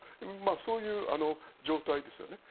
そういう状態ですよね。